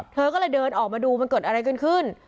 เธอก็เลยเดินออกมาดูมันเกิดอะไรกันขึ้น